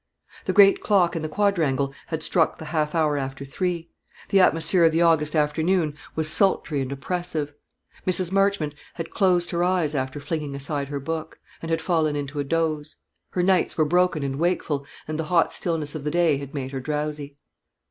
The great clock in the quadrangle had struck the half hour after three; the atmosphere of the August afternoon was sultry and oppressive. Mrs. Marchmont had closed her eyes after flinging aside her book, and had fallen into a doze: her nights were broken and wakeful, and the hot stillness of the day had made her drowsy.